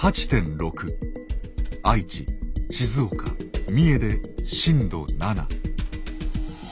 愛知静岡三重で震度７。